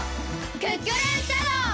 クックルンシャドー！